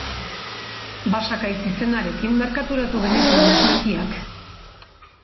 Basakaitz izenarekin merkaturatu genituen esnekiak.